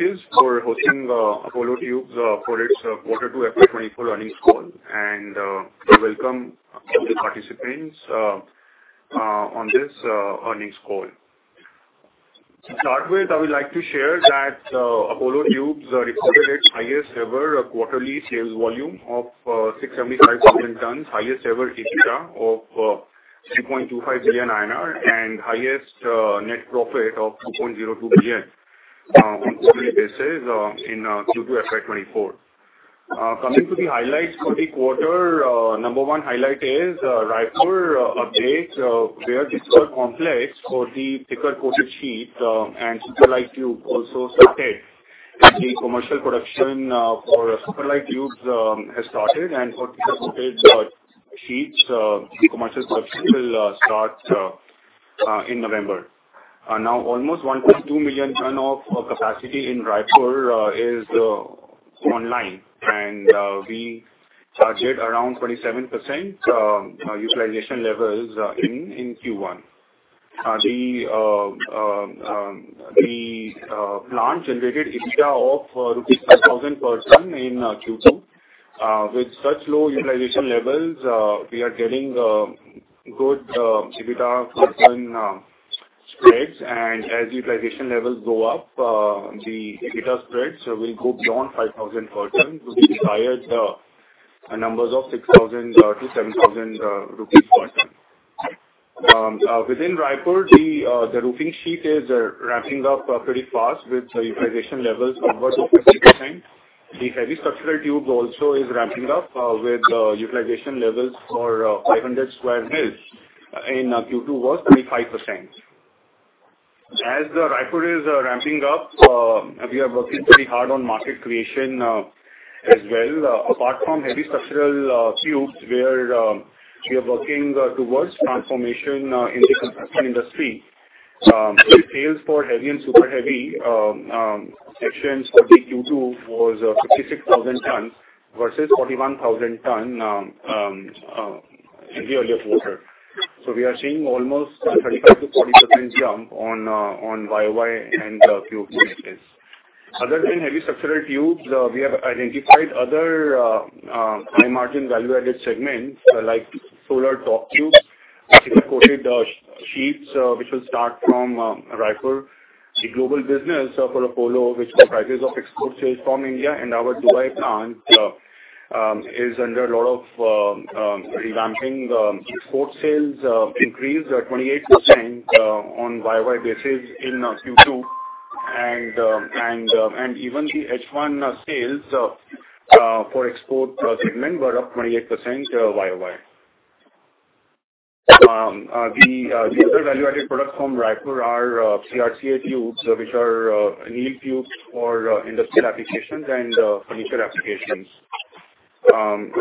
Securities for hosting, Apollo Tubes, for its quarter two FY 2024 earnings call. We welcome all the participants on this earnings call. To start with, I would like to share that Apollo Tubes recorded its highest ever quarterly sales volume of 675,000 tons, highest ever EBITDA of 3.25 billion INR, and highest net profit of 2.02 billion on a quarterly basis in Q2 FY 2024. Coming to the highlights for the quarter. Number one highlight is Raipur update. We are just complex for the thicker coated sheets, and super light tube also started, and the commercial production for super light tubes has started, and for thicker coated sheets, the commercial production will start in November. Now almost 1.2 million ton of capacity in Raipur is online, and we charged around 27% utilization levels in Q1. The plant generated EBITDA of rupees 5,000 per ton in Q2. With such low utilization levels, we are getting good EBITDA per ton spreads, and as utilization levels go up, the EBITDA spreads will go beyond 5,000 per ton to the desired numbers of 6,000-7,000 rupees per ton. Within Raipur, the roofing sheet is ramping up pretty fast, with utilization levels over 50%. The heavy structural tube also is ramping up, with utilization levels for 500 square mils in Q2 was 35%. As Raipur is ramping up, we are working pretty hard on market creation, as well. Apart from heavy structural tubes, we are working towards transformation in the construction industry. The sales for heavy and super heavy sections for the Q2 was 56,000 tons versus 41,000 ton in the earlier quarter. So we are seeing almost 35%-40% jump on YoY and QoQ basis. Other than heavy structural tubes, we have identified other high margin value-added segments like solar torque tubes, thicker coated sheets, which will start from Raipur. The global business for Apollo, which comprises of export sales from India and our Dubai plant, is under a lot of revamping. The export sales increased 28% on YoY basis in Q2. And even the H1 sales for export segment were up 28% YoY. The other value-added products from Raipur are CRCA tubes, which are annealed tubes for industrial applications and furniture applications. Then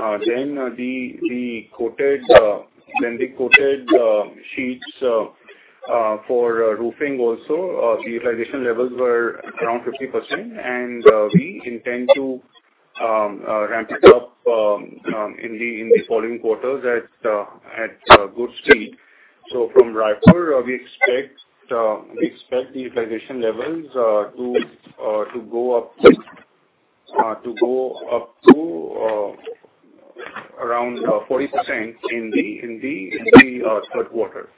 the coated sheets for roofing also, the utilization levels were around 50%, and we intend to ramp it up in the following quarters at good speed. So from Raipur, we expect the utilization levels to go up to around 40% in the third quarter.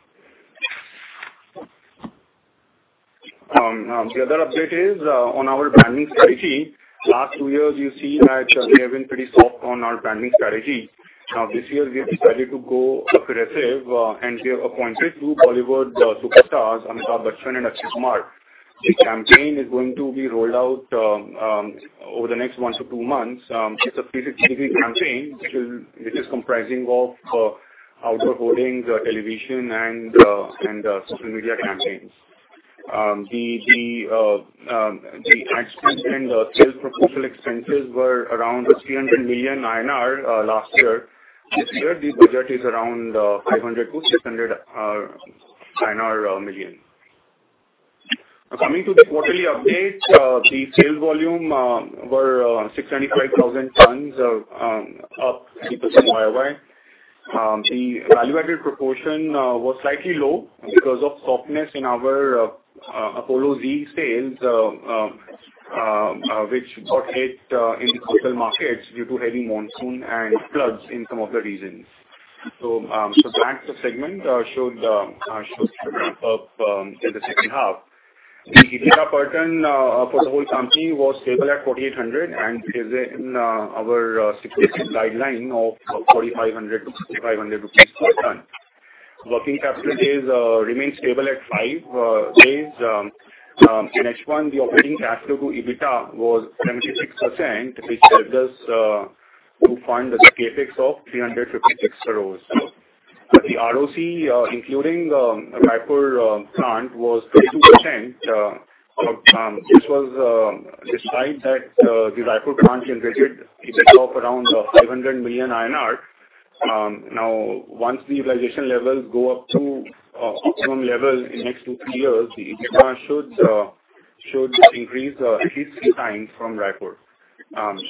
The other update is on our branding strategy. Last two years, you see that we have been pretty soft on our branding strategy. Now, this year, we have decided to go aggressive, and we have appointed two Bollywood superstars, Amitabh Bachchan and Akshay Kumar. The campaign is going to be rolled out over the next one to two months. It's a 360 campaign, which is comprising of outdoor holdings, television, and social media campaigns. The ad spend and the sales proportional expenses were around 300 million INR last year. This year, the budget is around 500 million INR- INR 600 million. Coming to the quarterly update, the sales volume were 625,000 tons, up 3% year-over-year. The value-added proportion was slightly low because of softness in our Apollo Z sales, which got hit in the coastal markets due to heavy monsoon and floods in some of the regions. That segment showed up in the second half. The EBITDA per ton for the whole company was stable at 4,800, and is in our strategic guideline of 4,500-6,500 rupees per ton. Working capital days remains stable at five days. In H1, the operating cash flow to EBITDA was 76%, which helped us to fund the CapEx of 356 crore. The ROC, including Raipur plant, was 22%, which was despite that the Raipur plant generated EBITDA of around 500 million INR. Now, once the utilization levels go up to optimum level in the next two to three years, the EBITDA should increase at least 3x from Raipur.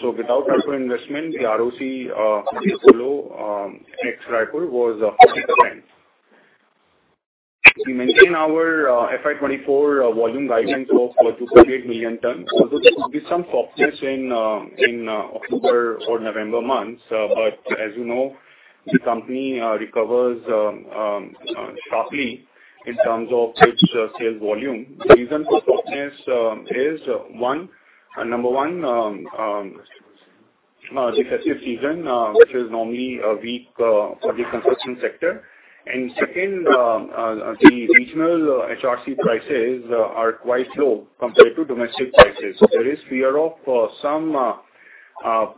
So without Raipur investment, the ROC for Apollo, ex Raipur, was 40%. We maintain our FY 2024 volume guidance of 208 million tons. Although there could be some softness in October or November months, but as you know, the company recovers sharply in terms of its sales volume. The reason for softness is one, number one, recessive season, which is normally a weak for the construction sector. And second, the regional HRC prices are quite low compared to domestic prices. There is fear of some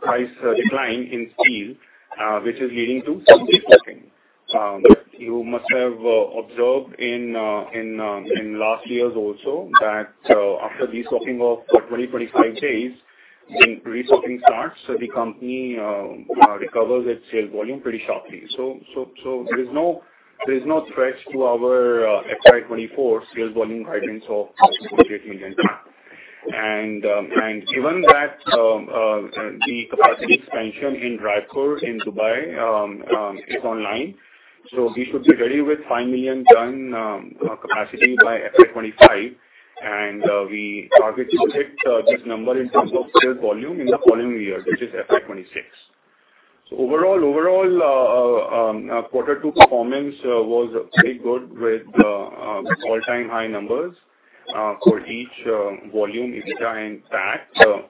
price decline in steel, which is leading to some deferring. You must have observed in last years also that after de-stocking of 20 days to 25 days, when restocking starts, the company recovers its sales volume pretty sharply. There is no threat to our FY 2024 sales volume guidance of one million tons. Given that the capacity expansion in Raipur and Dubai is online, we should be ready with five million ton capacity by FY 2025, and we target to hit this number in terms of sales volume in the following year, which is FY 2026. So overall, quarter two performance was pretty good with all-time high numbers for each volume, EBITDA and PAT.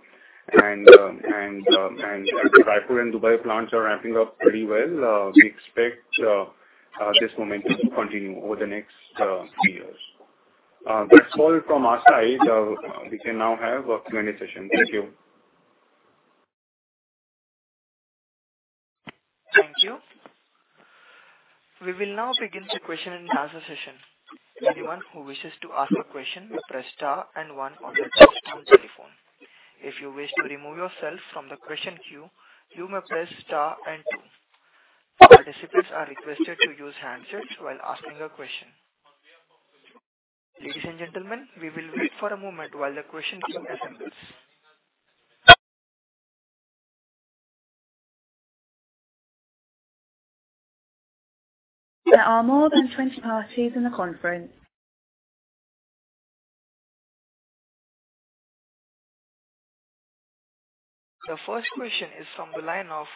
And Raipur and Dubai plants are ramping up pretty well. We expect this momentum to continue over the next three years. That's all from our side. We can now have a Q&A session. Thank you. Thank you. We will now begin the question and answer session. Anyone who wishes to ask a question, press star and one on your telephone. If you wish to remove yourself from the question queue, you may press star and two. Participants are requested to use handsets while asking a question. Ladies and gentlemen, we will wait for a moment while the question queue assembles. There are more than 20 parties in the conference. The first question is from the line of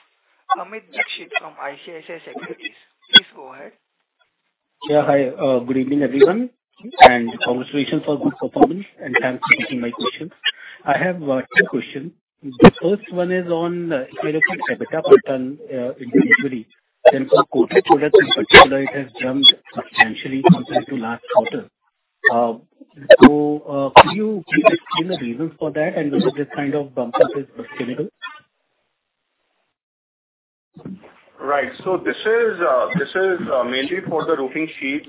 Amit Dixit from ICICI Securities. Please go ahead. Yeah, hi. Good evening, everyone, and congratulations for good performance, and thanks for taking my question. I have two questions. The first one is on EBITDA per ton, in treasury, then for quarter products in particular, it has jumped substantially compared to last quarter. So, could you explain the reasons for that, and is this kind of bump up is sustainable? Right. So this is mainly for the roofing sheets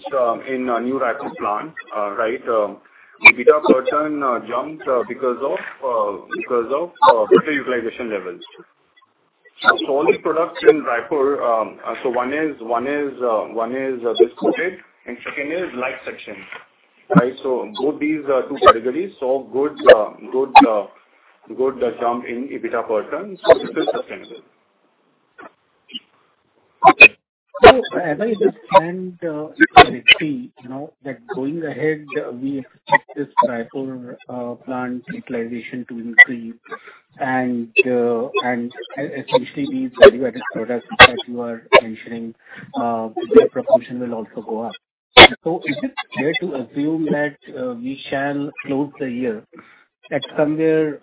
in our new Raipur plant, right? EBITDA per ton jumped because of better utilization levels. So all the products in Raipur, so one is this coated and second is light section, right? So both these are two categories. So good jump in EBITDA per ton. So this is sustainable. So as I understand, you know, that going ahead, we expect this Raipur plant utilization to increase. And essentially, these value-added products that you are mentioning, their proportion will also go up. So is it fair to assume that we shall close the year at somewhere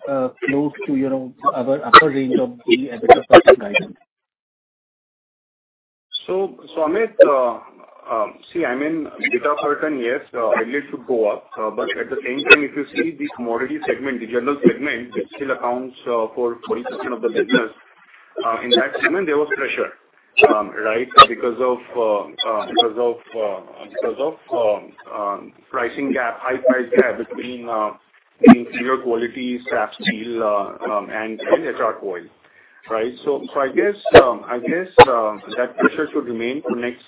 close to, you know, our upper range of the EBITDA per ton guidance? Amit, I mean, EBITDA per ton, yes, ideally it should go up. At the same time, if you see this commodity segment, the general segment, which still accounts for 20% of the business, in that segment, there was pressure, right? Because of, because of, because of pricing gap, high price gap between the inferior quality sap steel and HRC coil. Right. I guess that pressure should remain for next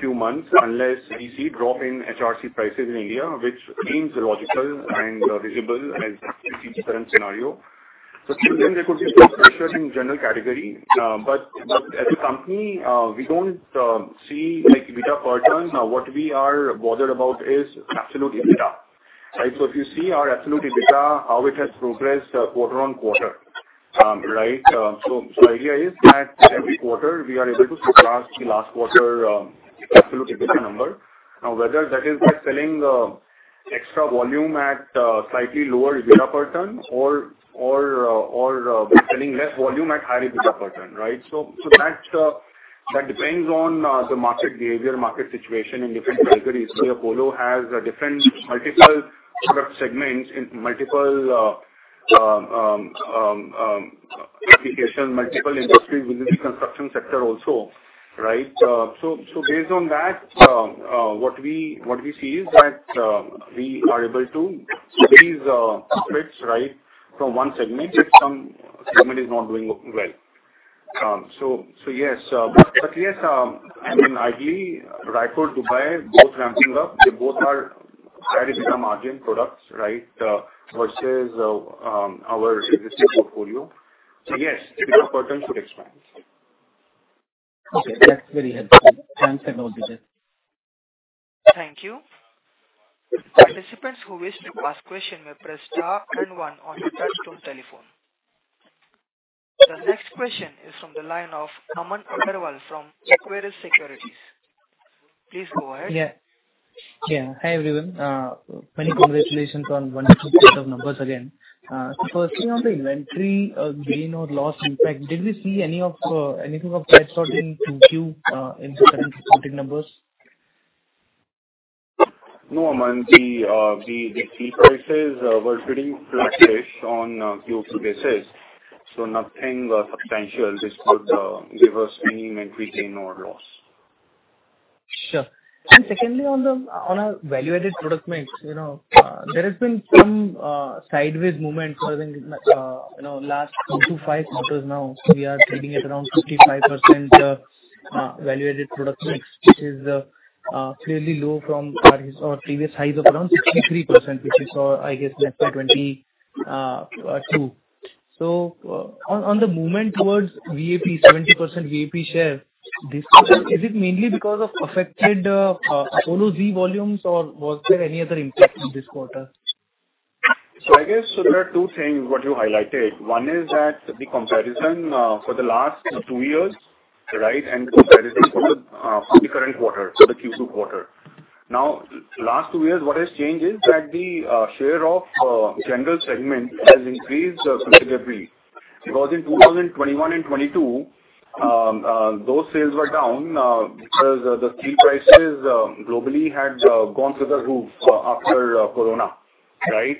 few months, unless we see drop in HRC prices in India, which seems logical and visible as the current scenario. Still then there could be pressure in general category. As a company, we don't see like EBITDA per ton. What we are bothered about is absolute EBITDA, right? If you see our absolute EBITDA, how it has progressed quarter on quarter. Right. The idea is that every quarter we are able to surpass the last quarter absolute EBITDA number. Now, whether that is by selling extra volume at slightly lower EBITDA per ton or by selling less volume at higher EBITDA per ton, right? That depends on the market behavior, market situation in different categories. Apollo has different multiple product segments in multiple application, multiple industries within the construction sector also, right? Based on that, what we see is that we are able to raise splits, right, from one segment if some segment is not doing well. Yes. But yes, I mean, ideally, Raipur, Dubai, both ramping up. They both are high EBITDA margin products, right, versus our existing portfolio. So yes, EBITDA per ton should expand. Okay, that's very helpful. Thanks, and all the best. Thank you. Participants who wish to ask question may press star and one on your touchtone telephone. The next question is from the line of Aman Agarwal from Equirius Securities. Please go ahead. Yeah. Yeah. Hi, everyone. Many congratulations on one set of numbers again. Firstly, on the inventory, gain or loss impact, did we see any of anything of that sort in Q2, in the current reported numbers? No, Aman, the prices were pretty flatish on Q2 basis, so nothing substantial which could give us any inventory gain or loss. Sure. And secondly, on the, on our value-added product mix, you know, there has been some, sideways movement within, you know, last 2-5 quarters now. So we are trading at around 55%, value-added product mix, which is, clearly low from our or previous highs of around 63%, which we saw, I guess, after 2022. So, on, on the movement towards VAP, 70% VAP share, this, is it mainly because of affected, Apollo Z volumes, or was there any other impact in this quarter? So I guess there are two things what you highlighted. One is that the comparison for the last two years, right, and comparison for the current quarter, so the Q2 quarter. Now, last two years, what has changed is that the share of general segment has increased considerably. Because in 2021 and 2022, those sales were down because the steel prices globally had gone through the roof after Corona, right?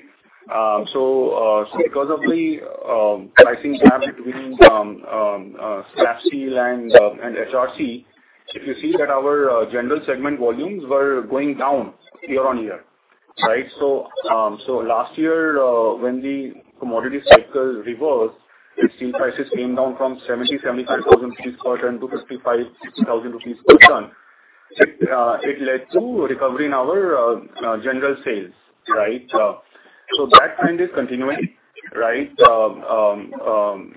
So because of the pricing gap between slab steel and HRC, you see that our general segment volumes were going down year-on-year, right? So last year, when the commodity cycle reversed, the steel prices came down from 70,000-75,000 rupees per ton to 55,000-60,000 rupees per ton. It led to recovery in our general sales, right? So that trend is continuing, right? The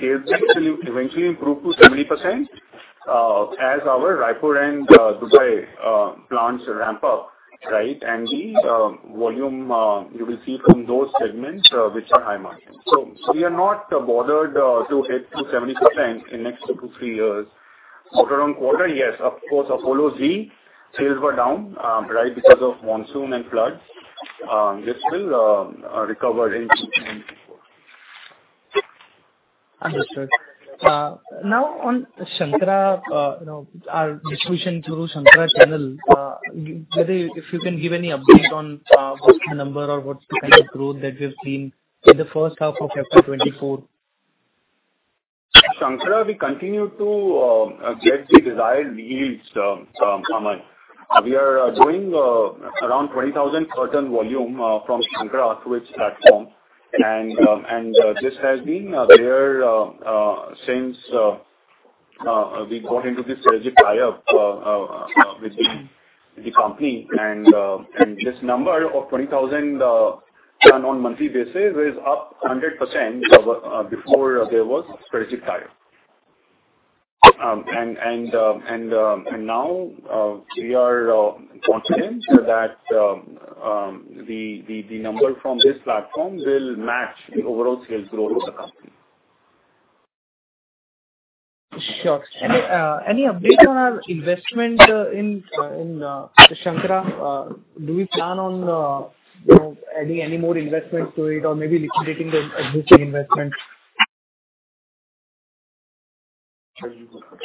sales will eventually improve to 70%, as our Raipur and Dubai plants ramp up, right? And the volume you will see from those segments which are high margin. So we are not bothered to hit 70% in next two, three years. Quarter-on-quarter, yes, of course, Apollo Z sales were down, right, because of monsoon and floods. This will recover in Q4. Understood. Now on Shankara, you know, our distribution through Shankara channel, whether if you can give any update on, what's the number or what's the kind of growth that we've seen in the first half of quarter 2024. Shankara, we continue to get the desired yields, Aman. We are doing around 20,000 ton volume from Shankara platform. And this has been there since we got into this strategic tie-up with the company. And this number of 20,000 ton on monthly basis is up 100% before there was strategic tie-up. And now we are confident that the number from this platform will match the overall sales growth of the company. Sure. Any update on our investment in Shankara? Do we plan on, you know, adding any more investment to it or maybe liquidating the existing investment?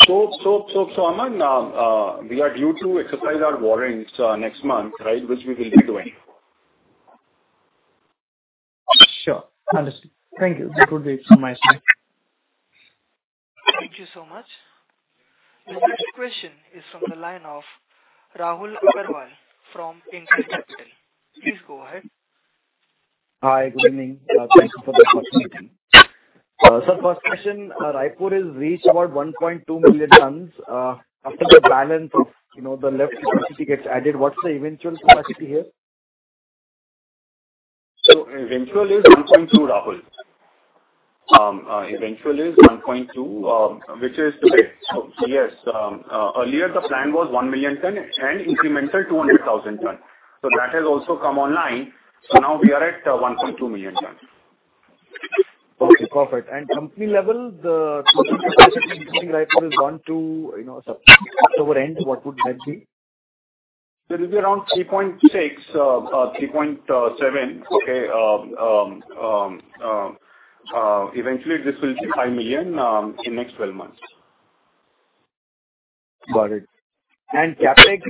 So, Aman, we are due to exercise our warrants next month, right, which we will be doing. Sure, understood. Thank you. That would be it from my side. Thank you so much. The next question is from the line of Rahul Agarwal from InCred Capital. Please go ahead. Hi, good evening. Thank you for the opportunity. So first question, Raipur has reached about 1.2 million tons. After the balance of, you know, the left capacity gets added, what's the eventual capacity here? So eventually is 1.2 million tons, Rahul. Eventually is 1.2 million tons, which is today. So yes, earlier the plan was one million ton and incremental 200,000 ton. So that has also come online, so now we are at 1.2 million tons. Okay, perfect. And company level, the is one to, you know, October end, what would that be? It will be around 3.6%-3.7%, okay. Eventually this will be 5 million in next twelve months. Got it. And CapEx,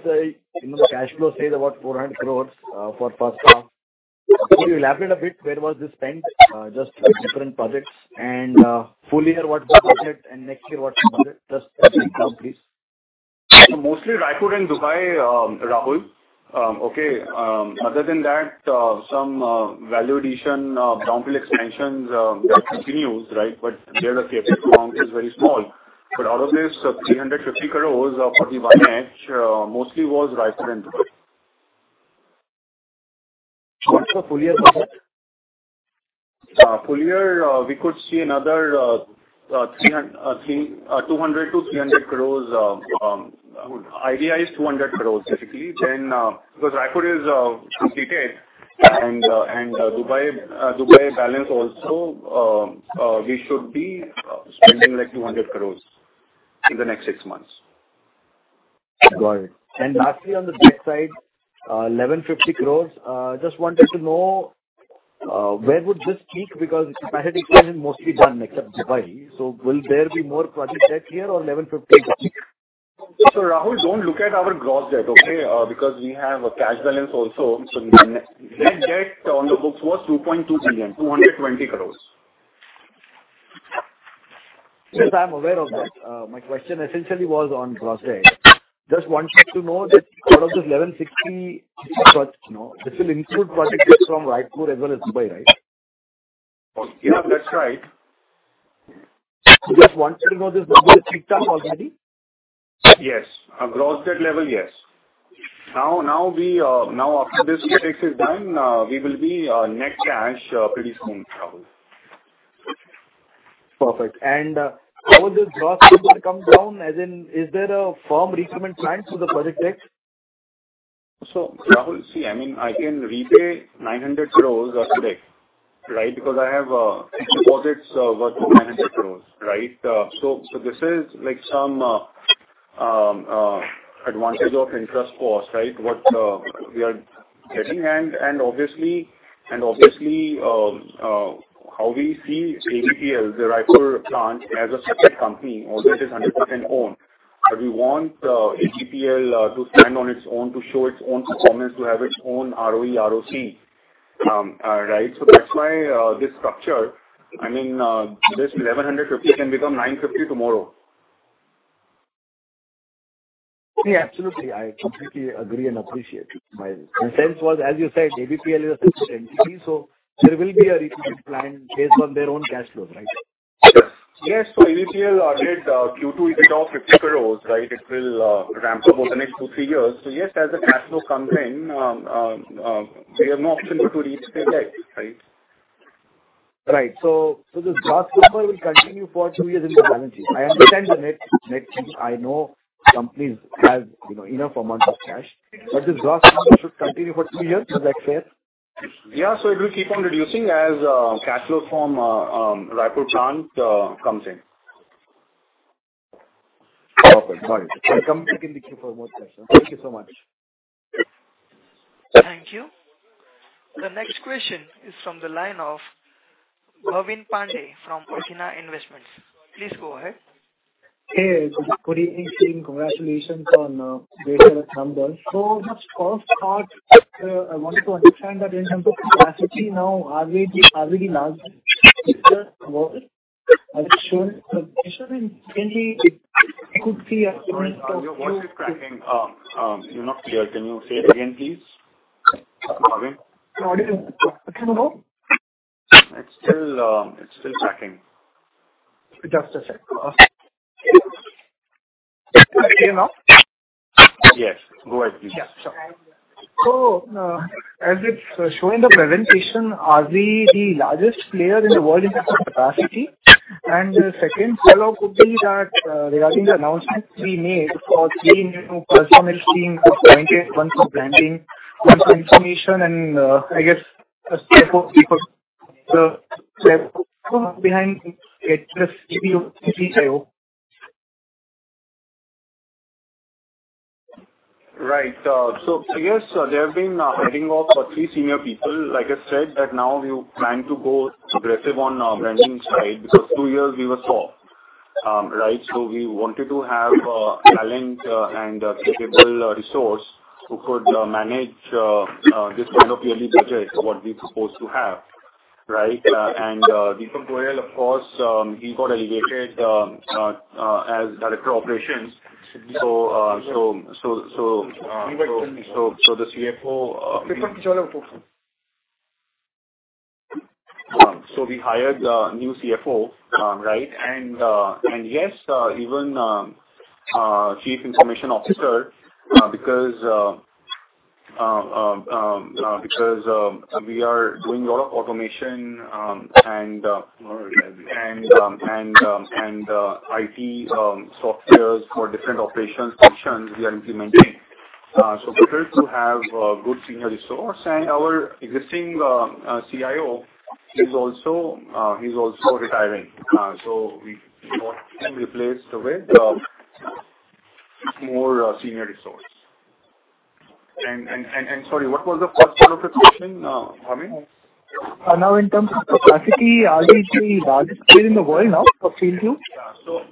you know, the cash flow say about 400 crore for first half. Can you elaborate a bit, where was this spent, just different projects and, full year, what's the budget, and next year, what's the budget? Just break it down, please. So mostly Raipur and Dubai, Rahul. Okay, other than that, some value addition downfield expansions continues, right, but their CapEx amount is very small. But out of this, 350 crore of, mostly was Raipur and Dubai. Full year, we could see another 200 crore-300 crore. Idea is 200 crore, typically. Then, because Raipur is completed, and Dubai balance also, we should be spending like 200 crore in the next six months. Got it. And lastly, on the debt side, 1,150 crore. Just wanted to know, where would this peak? Because project is mostly done except Dubai. So will there be more project debt here or 1,150 crore? Rahul, don't look at our gross debt, okay? Because we have a cash balance also. So net debt on the books was 2.2 billion, 220 crore. Yes, I'm aware of that. My question essentially was on gross debt. Just wanted to know that out of this 1,150, but, you know, this will include project debts from Raipur as well as Dubai, right? Yeah, that's right. Just wanted to know this, does it peak down already? Yes. At gross debt level, yes. Now, after this project is done, we will be net cash pretty soon, Rahul. Perfect. And, how will this gross debt come down? As in, is there a firm repayment plan for the project debt? So, Rahul, see, I mean, I can repay 900 crore of debt, right? Because I have deposits worth 900 crore, right? So this is like some advantage of interest cost, right? What we are getting, and obviously how we see ABPL, the Raipur plant, as a separate company, although it is 100% owned. We want ABPL to stand on its own, to show its own performance, to have its own ROE, ROC, right. So that's why this structure, I mean, this 1,150 crore can become 950 crore tomorrow. Yeah, absolutely. I completely agree and appreciate. My sense was, as you said, ABPL is a separate entity, so there will be a repayment plan based on their own cash flows, right? Yes. So ABPL added due to EBIT of 50 crore, right? It will ramp up over the next two, three years. So yes, as the cash flow comes in, we have no option but to repay debt, right? Right. So this gross number will continue for two years in the balance sheet. I understand the net. I know companies have, you know, enough amount of cash, but this gross number should continue for two years. Is that fair? Yeah. So it will keep on reducing as cash flow from Raipur plant comes in. Perfect, got it. I come back in the queue for more questions. Thank you so much. Thank you. The next question is from the line of Bhavin Pandey from Fortuna Investments. Please go ahead. Hey, good evening, and congratulations on great numbers. So just first part, I wanted to understand that in terms of capacity now, are we the largest world? As it shown in the presentation, could we... Sorry, your voice is breaking. You're not clear. Can you say it again, please, Bhavin? Can you hear me now? It's still, it's still cracking. Just a sec. Clear now? Yes, go ahead, please. Yeah, sure. So, as it's shown in the presentation, are we the largest player in the world in terms of capacity? And the second follow-up would be that, regarding the announcements we made for three new personnel teams, one for branding, one for information, and, I guess, the CFO people. So who's behind it, the CPO, CIO? Right. So yes, there have been heading off for three senior people. Like I said, that now we plan to go aggressive on our branding side, because two years we were soft. Right, so we wanted to have talent and capable resource who could manage this appropriately subject what we supposed to have, right? And Deepak Goyal, of course, he got elevated as Director of Operations. So the CFO, so we hired a new CFO, right, and yes, even Chief Information Officer, because we are doing a lot of automation, and IT softwares for different operations functions we are implementing. So we need to have a good senior resource. And our existing CIO is also, he's also retiring. So we want him replaced with more senior resource. And sorry, what was the first part of the question, Bhavin? Now, in terms of capacity, are we the largest player in the world now for steel tubes?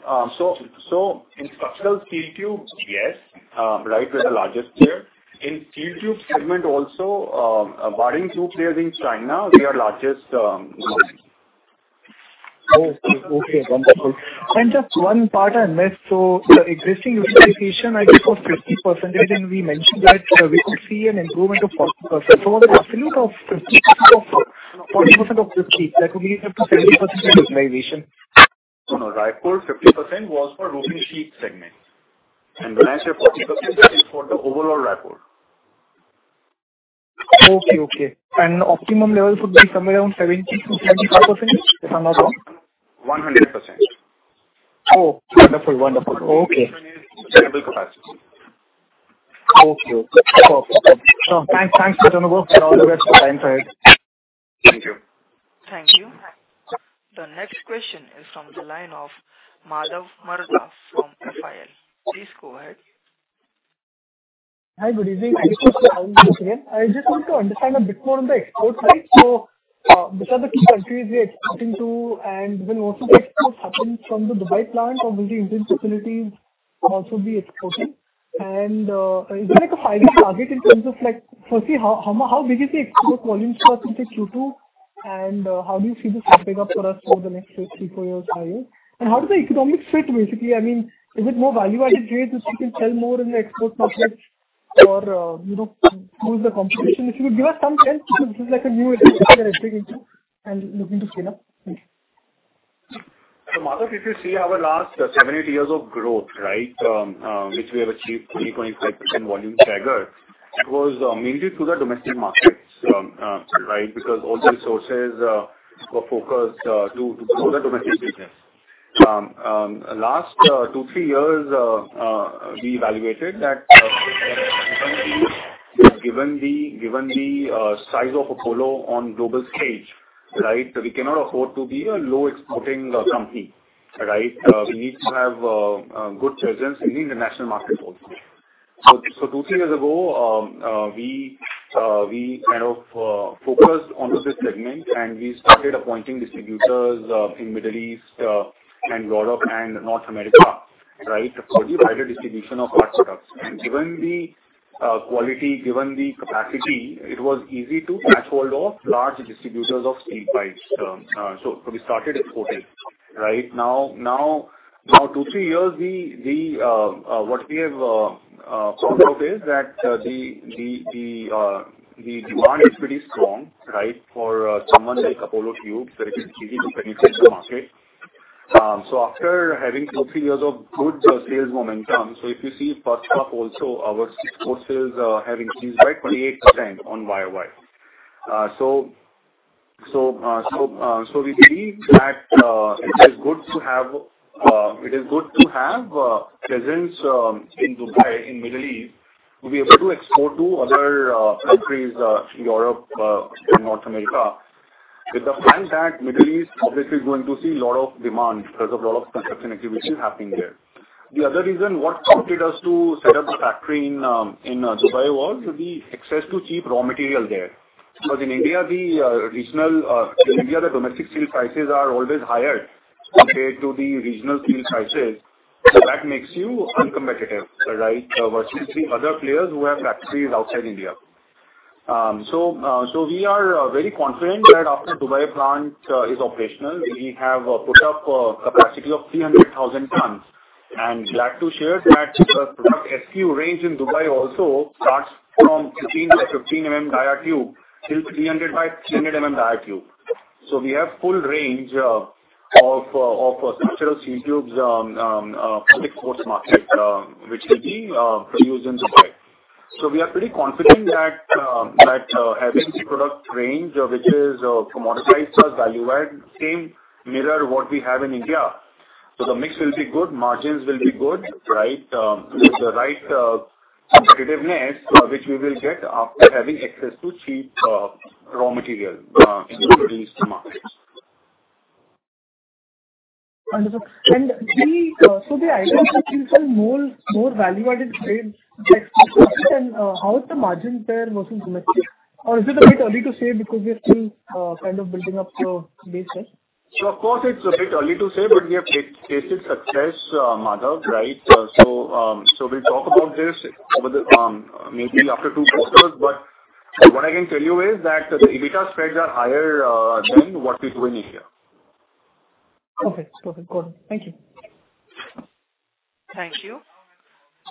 Yeah. So, in structural steel tubes, yes, right, we're the largest player. In steel tube segment also, barring two players in China, we are largest. Okay, okay, wonderful. Just one part I missed. The existing utilization, I think, was 50%, and we mentioned that we could see an improvement of 40%. The absolute of forty percent of the sheet, that will be up to 70% utilization. On Raipur, 50% was for the roofing sheet segment, and when I say 40%, that is for the overall Raipur. Okay, okay. And the optimum level should be somewhere around 70%-75%, if I'm not wrong? 100%. Oh, wonderful, wonderful. Okay. Double capacity. Okay. Perfect. So thanks, thanks, Anubhav for all your time today. Thank you. Thank you. The next question is from the line of Madhav Marda from FIL. Please go ahead. Hi, good evening. I just want to understand a bit more on the export side. So, which are the key countries we are exporting to, and will also the export happen from the Dubai plant, or will the Indian facilities also be exporting? And, is there like a target in terms of like, firstly, how big is the export volume for, say, Q2, and, how do you see this playing up for us over the next three, four years higher? And how does the economics fit, basically? I mean, is it more value-added trades, which you can sell more in the export markets or, you know, lose the competition? If you would give us some sense, because this is like a new area that I'm getting into and looking to scale up. Thank you. Madhav, if you see our last seven, eight years of growth, right, which we have achieved 20%-25% volume stagger, it was mainly to the domestic markets, right, because all the resources were focused to grow the domestic business. Last two, three years, we evaluated that given the, given the size of Apollo on global stage, right, we cannot afford to be a low exporting company, right? We need to have good presence in the international market also. Two, three years ago, we kind of focused on to this segment, and we started appointing distributors in Middle East, and Europe and North America, right? We provided distribution of our products. Given the quality, given the capacity, it was easy to catch hold of large distributors of steel pipes. We started exporting. Right now, two, three years, what we have found out is that the demand is pretty strong, right, for someone like APL Apollo Tubes, that it's easy to penetrate the market. After having two, three years of good sales momentum, if you see first off, also, our exports is having increased by 28% on year-over-year. So we believe that it is good to have presence in Dubai, in Middle East, to be able to export to other countries, Europe, and North America, with the fact that Middle East obviously going to see a lot of demand because of a lot of construction activities happening there. The other reason what prompted us to set up a factory in Dubai was to the access to cheap raw material there. Because in India, the domestic steel prices are always higher compared to the regional steel prices. So that makes you uncompetitive, right? Versus the other players who have factories outside India. So we are very confident that after Dubai plant is operational, we have put up a capacity of 300,000 tons. And glad to share that, product SKU range in Dubai also starts from 15 by 15 mm dia tube till 300 by 300 mm dia tube. So we have full range of structural steel tubes for the export market, which will be produced in Dubai. So we are pretty confident that having the product range, which is commoditized or value add, same mirror what we have in India. So the mix will be good, margins will be good, right? With the right competitiveness, which we will get after having access to cheap raw material in the Middle East markets. Wonderful. And so the idea of more, more value-added trade, and how is the margin there versus domestic? Or is it a bit early to say because we are still kind of building up your base there? So of course, it's a bit early to say, but we have tasted success, Madhav, right? So we'll talk about this over the maybe after two quarters, but what I can tell you is that the EBITDA spreads are higher than what we do in India. Perfect. Perfect. Got it. Thank you. Thank you.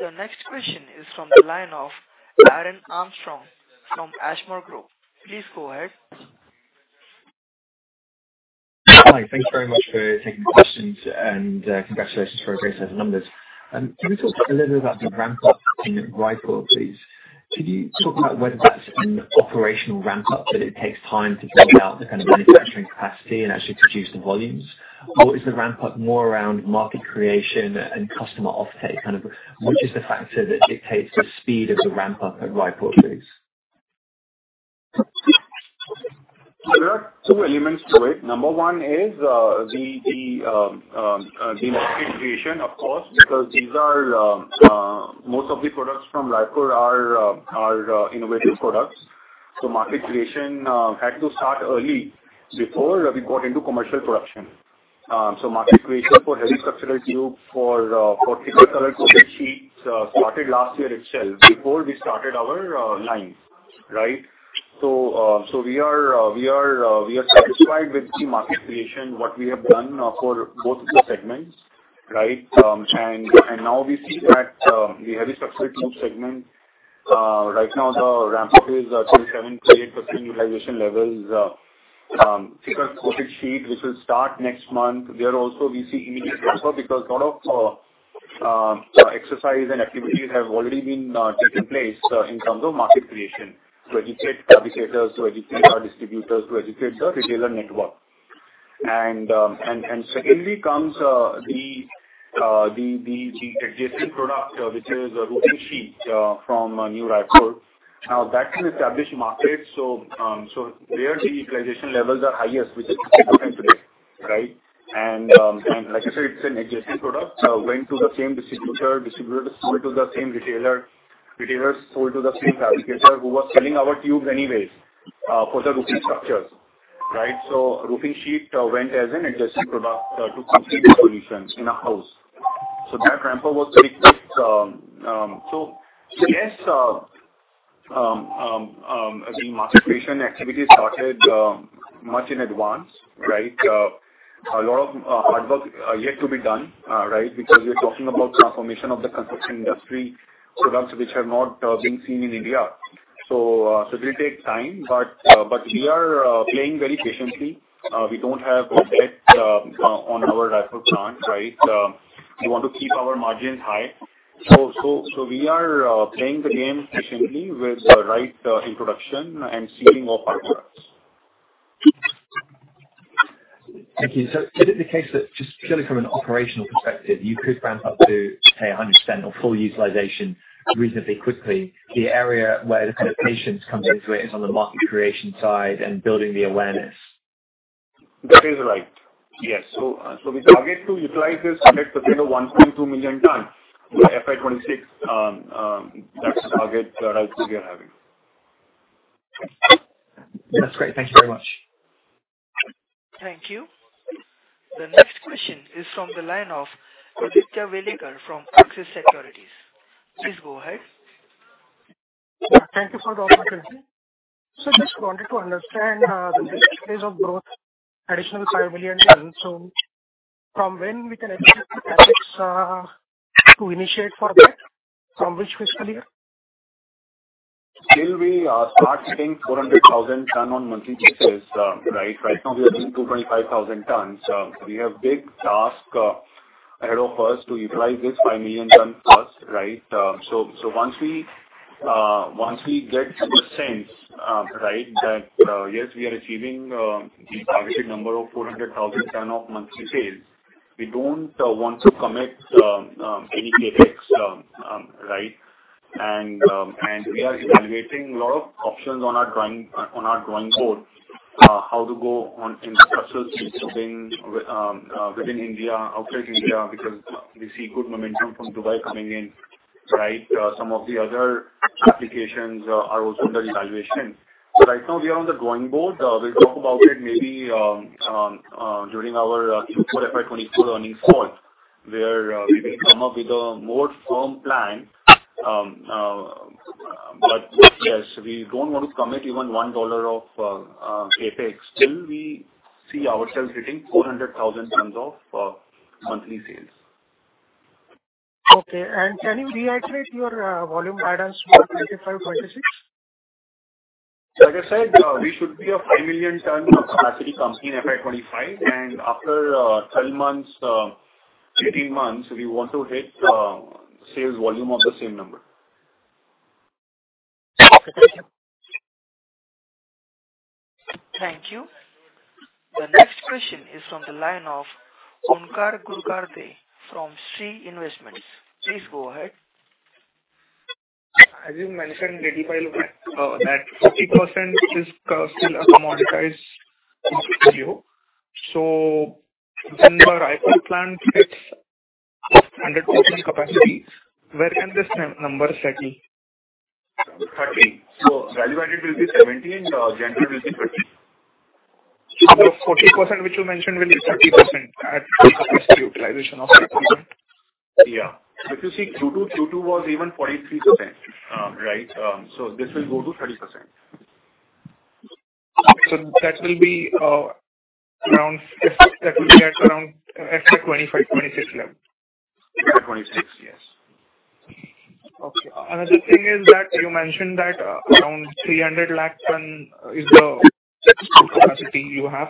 The next question is from the line of Aaron Armstrong from Ashmore Group. Please go ahead. Hi, thank you very much for taking the questions, and, congratulations for a great set of numbers. Can you talk a little bit about the ramp-up in Raipur, please? Could you talk about whether that's an operational ramp-up, that it takes time to build out the kind of manufacturing capacity and actually produce the volumes? Or is the ramp-up more around market creation and customer offtake? Kind of which is the factor that dictates the speed of the ramp-up at Raipur, please. There are two elements to it. Number one is the market creation, of course, because these are most of the products from Raipur are innovative products. So market creation had to start early before we got into commercial production. So market creation for heavy structural tube, for particular coated sheets, started last year itself, before we started our line. Right? So we are satisfied with the market creation, what we have done for both of the segments, right? And now we see that, the heavy structural tube segment. Right now the ramp is actually 7%-8% utilization levels. Because coated sheet, which will start next month, there also we see immediate result because lot of exercise and activities have already been taken place in terms of market creation. To educate fabricators, to educate our distributors, to educate the retailer network. And secondly comes the adjacent product, which is a roofing sheet from new Raipur. Now, that's an established market, so there the utilization levels are highest, which is today, right? And like I said, it's an adjacent product going to the same distributor. Distributors sell to the same retailer. Retailers sell to the same fabricator who was selling our tubes anyways for the roofing structures, right? So roofing sheet went as an adjacent product to complete the solutions in a house. So that ramp was very quick. So yes, the market creation activity started much in advance, right? A lot of hard work yet to be done, right? Because we are talking about transformation of the construction industry, products which have not been seen in India. So it will take time, but we are playing very patiently. We don't have objections on our Raipur plant, right? We want to keep our margins high. So we are playing the game patiently with the right introduction and selling of our products. Thank you. So is it the case that just purely from an operational perspective, you could ramp up to, say, 100% or full utilization reasonably quickly? The area where the kind of patience comes into it is on the market creation side and building the awareness. That is right. Yes. So, we target to utilize this project to be the 1.2 million ton by FY 2026. That's the target, we are having. That's great. Thank you very much. Thank you. The next question is from the line of Aditya Welekar from Axis Securities. Please go ahead. Thank you for the opportunity. I just wanted to understand the pace of growth, additional five million tons. From when can we expect to initiate for that, from which fiscal year? Still we start seeing 400,000 tons on monthly basis, right? Right now, we are doing 2,500 tons. We have big task ahead of us to utilize this five million tons first, right? So once we get to the sense, right, that yes, we are achieving the targeted number of 400,000 tons of monthly sales, we don't want to commit any CapEx, right? And we are evaluating a lot of options on our drawing board how to go on infrastructure building within India, outside India, because we see good momentum from Dubai coming in, right? Some of the other applications are also under evaluation. So right now we are on the drawing board. We'll talk about it maybe during our Q4 FY 2022 earnings call, where we will come up with a more firm plan. But yes, we don't want to commit even $1 of CapEx till we see ourselves hitting 400,000 tons of monthly sales. Okay. And can you reiterate your volume guidance for FY 2025, 2026? Like I said, we should be of five million tons of capacity comes in FY 2025, and after, 12 months, 13 months, we want to hit, sales volume of the same number. Thank you. Thank you. The next question is from the line of Omkar Ghugardare from Shree Investments. Please go ahead. As you mentioned, Raipur facility, that 40% is still commoditized value. So when your Raipur plant hits 100% capacity, where can this number settle? 30%. So value added will be 70% and general will be 30%. So the 40% which you mentioned will be 30% at utilization of 30%? Yeah. If you see Q2, Q2 was even 43%. Right, so this will go to 30%. That will be at around FY 2025-2026 level? FY 2026, yes. Okay. Another thing is that you mentioned that, around 300 lakh tons is the capacity you have.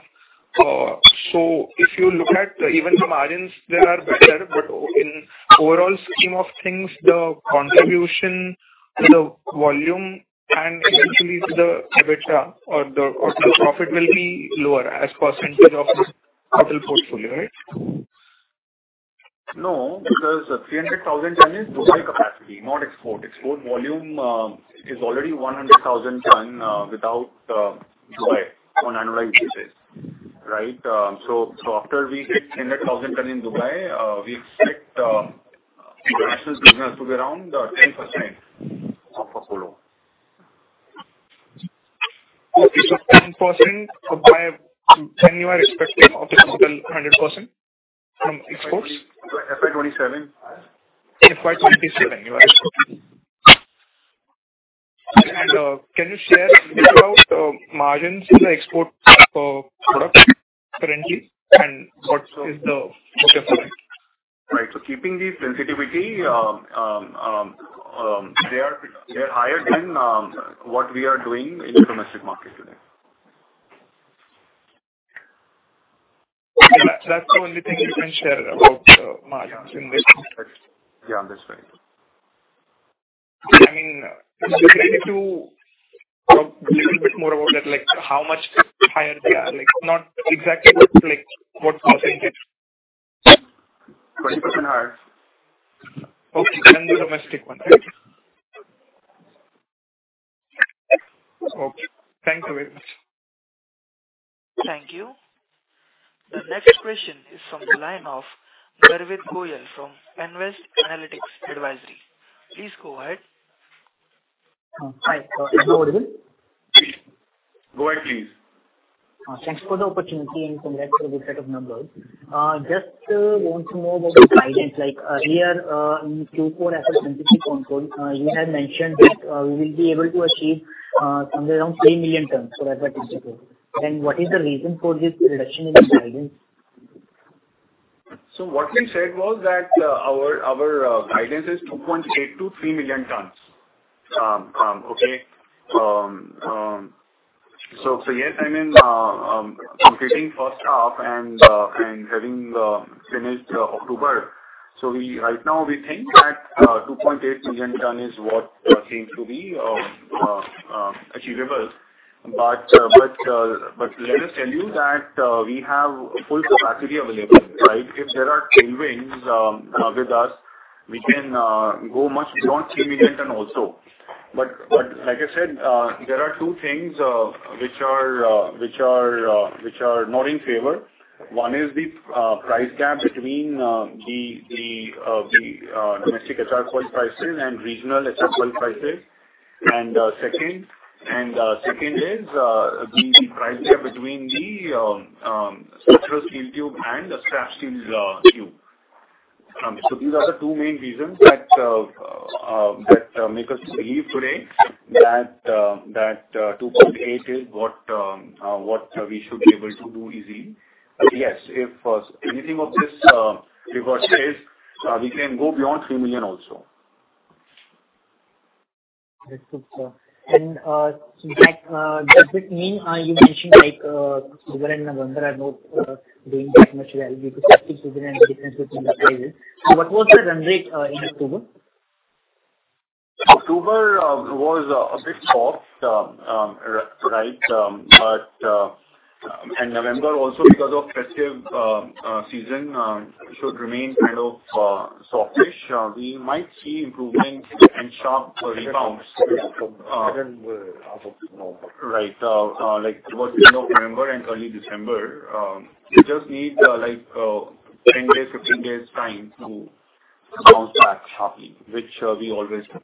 So if you look at even the margins, they are better, but in overall scheme of things, the contribution, the volume, and eventually the EBITDA or the, or the profit will be lower as percentage of the total portfolio, right? No, because 300,000 ton is Dubai capacity, not export. Export volume is already 100,000 ton without Dubai on annual basis, right? So, so after we hit 300,000 ton in Dubai, we expect actual business to be around 10% of the total. Okay, so 10% of buy, then you are expecting of the total 100% from exports? FY 2027. FY 2027, you are expecting. And, can you share about margins in the export product currently, and what is the potential? Right, so keeping the sensitivity, they are, they are higher than what we are doing in the domestic market today. That's the only thing you can share about the margins in this? Yeah, that's right. I mean, if you're able to talk a little bit more about that, like, how much higher they are, like, not exactly, but, like, what percentage? 20% higher. Okay, then the domestic one, right? Okay, thanks very much. Thank you. The next question is from the line of Garvit Goyal from Nvest Analytics Advisory. Please go ahead. Hi, Go ahead, please. Thanks for the opportunity and congrats for a good set of numbers. Just want to know about the guidance, like, earlier, in Q4 as a you had mentioned that we will be able to achieve somewhere around three million tons. So that's what is it. And what is the reason for this reduction in the guidance? So what we said was that, our guidance is 2.8 to three million tons. Okay. So yes, I mean, completing first half and having finished October. So right now we think that, 2.8 million ton is what seems to be achievable. But let us tell you that, we have full capacity available, right? If there are tailwinds with us, we can go much beyond three million ton also. But like I said, there are two things which are not in favor. One is the price gap between the domestic HR coil prices and regional HR coil prices. Second is the price gap between the structural steel tube and the scrap steel tube. So these are the two main reasons that make us believe today that 2.8 is what we should be able to do easily. But yes, if anything of this reverses, we can go beyond three million also. That's good, sir. Does it mean you mentioned, like, October and November are not doing that much well because of the season and the difference between the prices? So what was the run rate in October? October was a bit soft, right, but and November also, because of festive season, should remain kind of softish. We might see improvement and sharp rebound right, like towards the end of November and early December. We just need, like, 10 days, 15 days time to bounce back sharply, which we always do.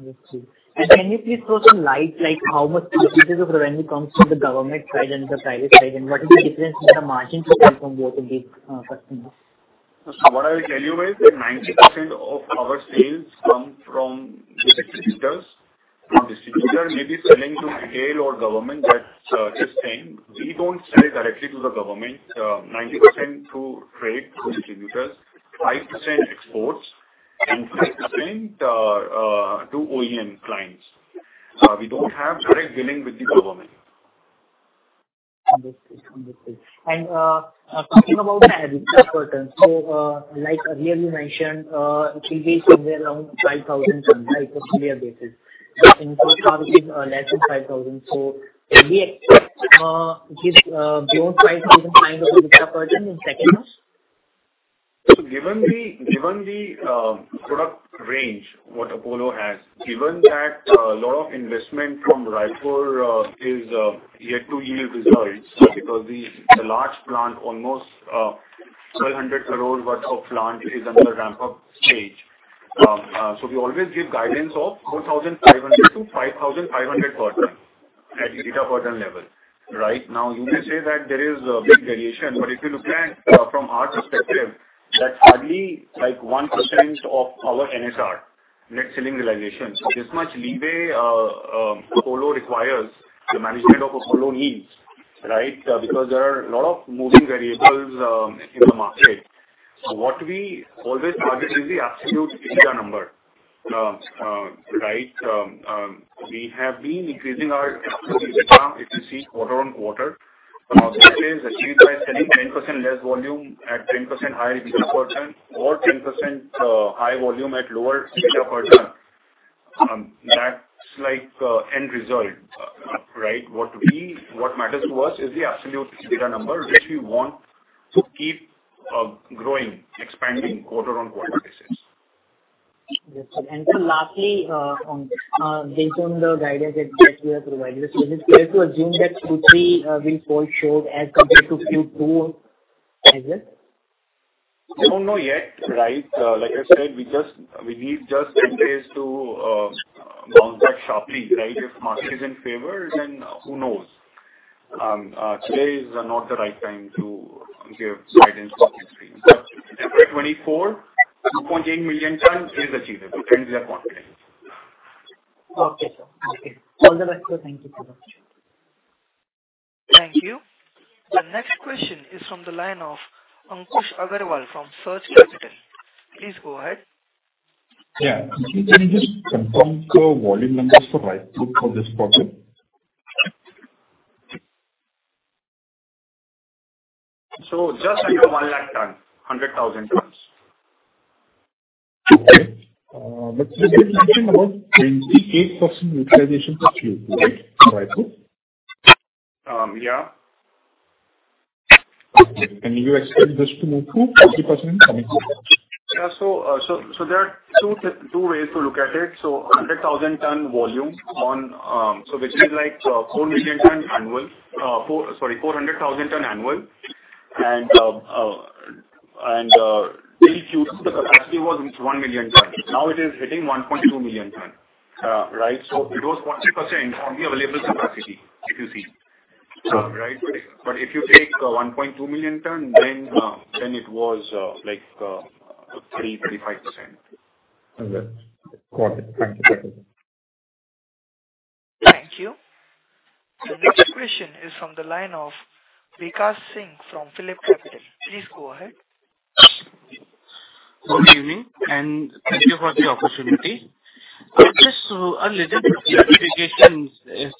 I see. And can you please throw some light, like how much percentages of the revenue comes from the government side and the private side, and what is the difference in the margins that come from both of these, customers? So what I will tell you is that 90% of our sales come from distributors. Now, distributor may be selling to retail or government, but just saying, we don't sell directly to the government. 90% through trade, through distributors, 5% exports, and 5% to OEM clients. We don't have direct dealing with the government. Understood. Understood. And, talking about the EBITDA per ton, so, like earlier you mentioned, it will be somewhere around 5,000 per ton, right? It was year basis. But in Q4, it is less than 5,000. So can we expect, this, beyond INR 5,000 per ton of EBITDA per ton in second half? So given the product range, what Apollo has, given that a lot of investment from Raipur is yet to yield results, because the large plant, almost 1,200 crore worth of plant is under the ramp-up stage. So we always give guidance of 4,000-5,500 per ton at the EBITDA per ton level. Right now, you may say that there is a big variation, but if you look at from our perspective, that's hardly like 1% of our NSR, Net Selling Realization. So this much leeway Apollo requires the management of Apollo needs, right? Because there are a lot of moving variables in the market. So what we always target is the absolute EBITDA number. Right, we have been increasing our EBITDA, if you see quarter-on-quarter, that is achieved by selling 10% less volume at 10% higher EBITDA per ton or 10% high volume at lower EBITDA per ton. That's like end result, right? What matters to us is the absolute EBITDA number, which we want to keep growing, expanding quarter-on-quarter basis. Yes, sir. And lastly, based on the guidance that you have provided us, is it fair to assume that Q3 will fall short as compared to Q2 as well? We don't know yet, right? Like I said, we just, we need just 10 days to bounce back sharply, right? If market is in favor, then who knows? Today is not the right time to give guidance for Q3. But for 2024, 2.8 million ton is achievable, and we are confident. Okay, sir. Okay. All the best, sir. Thank you so much. Thank you. The next question is from the line of Ankush Agarwal from Surge Capital. Please go ahead. Yeah. Can you just confirm the volume numbers for Raipur for this project? Just under 100,000 tons, 100,000 tons. You were talking about 28% utilization for FY, right? For Raipur. Yeah. You expect this to move to 40% coming forward? Yeah, so there are two ways to look at it. So 100,000 ton volume on, so which is like four million ton annual. Sorry, 400,000 ton annual. And actually was one million ton. Now it is hitting 1.2 million ton. Right? So it was 20% on the available capacity, if you see. Right. But if you take 1.2 million ton, then it was like 30%-35%. Okay, got it. Thank you. Thank you. The next question is from the line of Vikash Singh from PhillipCapital. Please go ahead. Good evening, and thank you for the opportunity. Just so a little bit of clarification,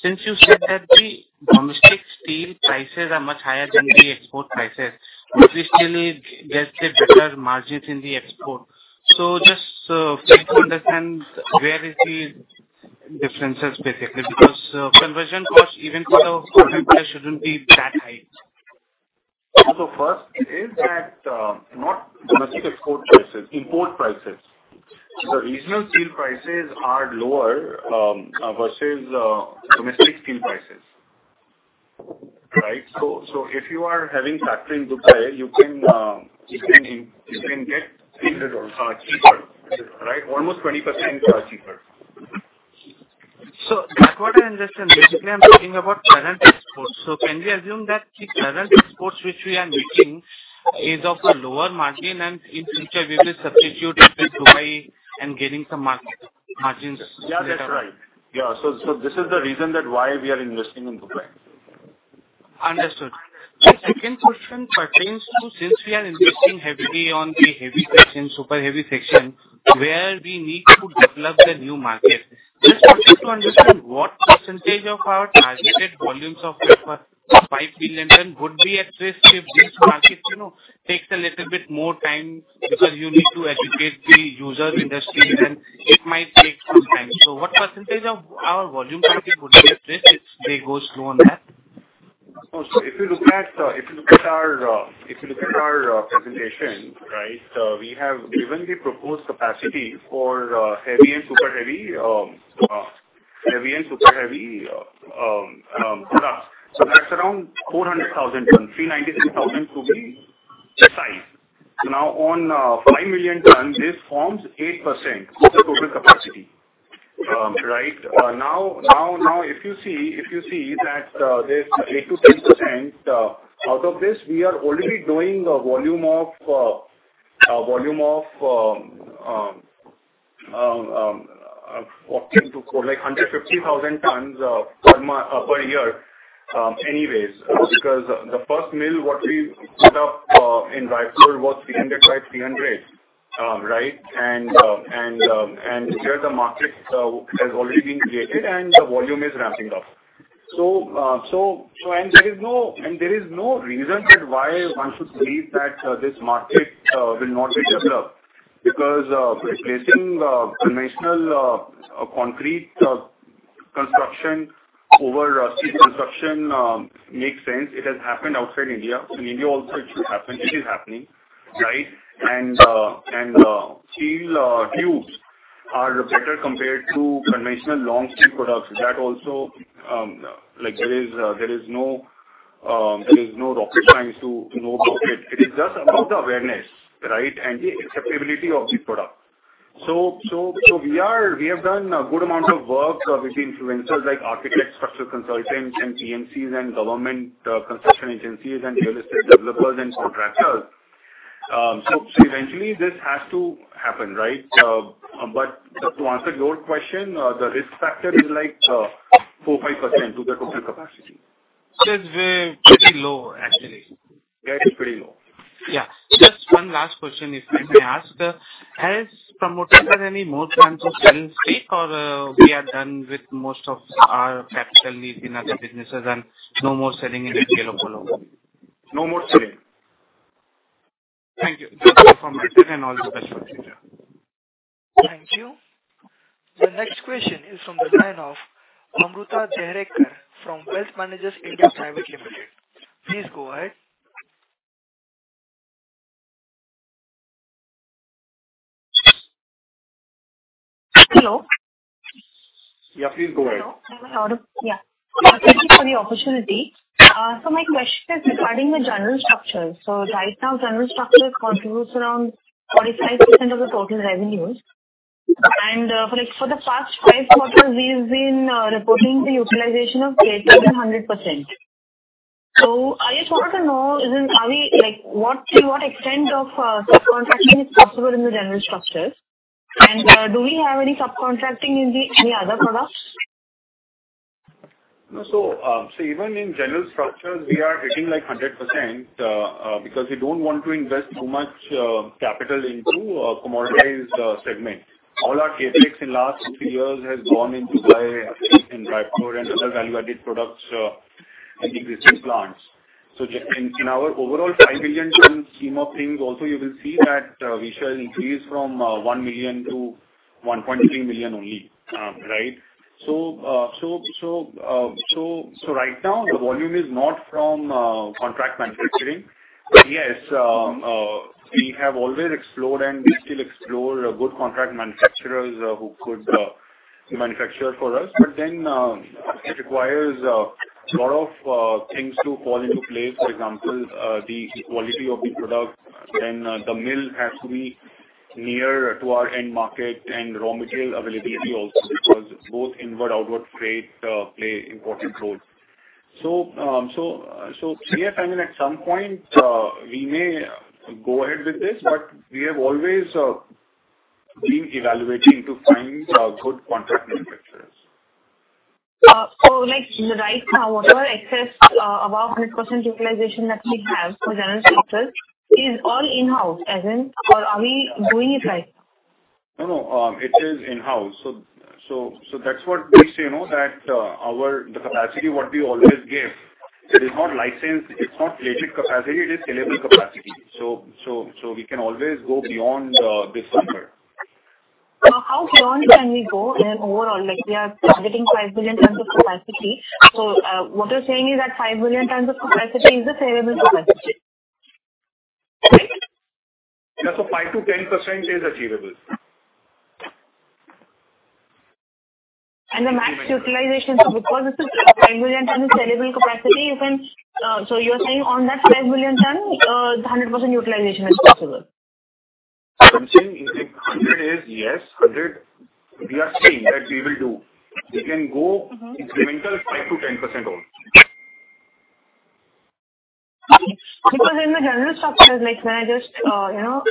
since you said that the domestic steel prices are much higher than the export prices, but we still get the better margins in the export. So just, try to understand where is the differences, basically, because, conversion costs, even for the importer, shouldn't be that high. So first is that, not domestic export prices, import prices. The regional steel prices are lower, versus, domestic steel prices. Right? So, so if you are having factory in Dubai, you can, you can, you can get steel at, cheaper, right? Almost 20% cheaper. That's what I understand. Basically, I'm talking about current exports. Can we assume that the current exports which we are making is of a lower margin and in future we will substitute it with Dubai and getting some market margins? Yeah, that's right. Yeah, so, so this is the reason that why we are investing in Dubai. Understood. The second question pertains to, since we are investing heavily on the heavy section, super heavy section, where we need to develop the new market. Just wanted to understand what percentage of our targeted volumes of 5 million ton would be at risk if this market, you know, takes a little bit more time, because you need to educate the user industries, and it might take some time. So what percentage of our volume target would be at risk if they go slow on that? If you look at our presentation, right, we have given the proposed capacity for heavy and super heavy products. That's around 400,000 ton, 393,000 total size. Now, on five million tons, this forms 8% of the total capacity. Right? Now, if you see, this 8%-10%, out of this, we are already doing a volume of 150,000 tons per year anyways. Because the first mill, what we set up in Raipur was 300 by 300, right? Here the market has already been created and the volume is ramping up. So, there is no reason why one should believe that this market will not be developed, because replacing conventional concrete construction over steel construction makes sense. It has happened outside India. In India also, it will happen. It is happening, right? And steel tubes are better compared to conventional long steel products. That also, like there is no rocket science to know about it. It is just about the awareness, right? And the acceptability of the product. So we have done a good amount of work with the influencers, like architects, structural consultants, and EPCs and government construction agencies and real estate developers and contractors. So eventually this has to happen, right? But to answer your question, the risk factor is like 4%-5% to the total capacity. It's pretty low, actually. Yeah, it's pretty low. Yeah. Just one last question, if I may ask. Has promoter done any more plans of selling stake or, we are done with most of our capital need in other businesses and no more selling in the jail or below? No more selling. Thank you. That's informative and all the best for future. Thank you. The next question is from the line of Amruta Deherkar from Wealth Managers India Private Limited. Please go ahead. Hello. Yeah, please go ahead. Hello. Yeah. Thank you for the opportunity. So my question is regarding the general structure. So right now, general structure contributes around 45% of the total revenues. And, for the, for the past five quarters, we've been, reporting the utilization of greater than 100%. So I just want to know, isn't, are we, like, what, to what extent of, subcontracting is possible in the general structures? And, do we have any subcontracting in the, any other products? No. Even in general structures, we are hitting like 100% because we don't want to invest too much capital into a commoditized segment. All our CapEx in the last two years has gone into Dubai and Raipur and other value-added products in existing plants. Just in our overall five million ton scheme of things, also, you will see that we shall increase from one million ton to 1.3 million tonsonly, right? Right now, the volume is not from contract manufacturing. Yes, we have always explored and we still explore good contract manufacturers who could manufacture for us. It requires a lot of things to fall into place. For example, the quality of the product, and, the mill has to be near to our end market and raw material availability also, because both inward, outward freight, play important roles. So, so yes, I mean, at some point, we may go ahead with this, but we have always, been evaluating to find, good contract manufacturers. So, like, right now, whatever excess above 100% utilization that we have for general structures is all in-house, as in, or are we doing it right? No, no, it is in-house. So, so, so that's what we say, you know, that, our, the capacity what we always give, it is not licensed, it is not pledged capacity, it is sellable capacity. So, so, so we can always go beyond, this number. How, how beyond can we go in overall? Like, we are targeting five million tons of capacity. So, what you're saying is that 5 million tons of capacity is the sellable capacity, right? Yes, so 5%-10% is achievable. The max utilization, so because it is five million tons sellable capacity, you can... so you're saying on that five million tons, the 100% utilization is possible? I'm saying if it's 100% yes, 100%, we are saying that we will do. We can go incremental 5%-10% only. Because in the general structure, like when I just, you know,